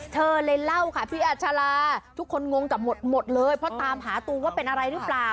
เธอเลยเล่าค่ะพี่อัชราทุกคนงงกับหมดเลยเพราะตามหาตัวว่าเป็นอะไรหรือเปล่า